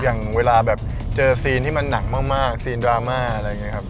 อย่างเวลาแบบเจอซีนที่มันหนักมากซีนดราม่าอะไรอย่างนี้ครับ